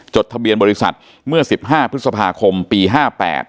จดทะเบียนบริษัทเมื่อสิบห้าพฤษภาคมปีห้าแปด